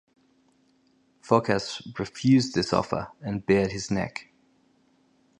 Phocas refused this offer and bared his neck.